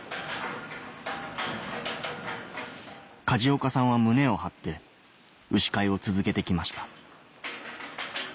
梶岡さんは胸を張って牛飼いを続けて来ました